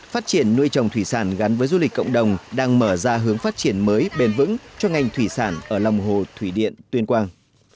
phát triển nuôi trồng thủy sản gắn với du lịch cộng đồng đang mở ra hướng phát triển mới bền vững cho ngành thủy sản ở lòng hồ thủy điện tuyên quang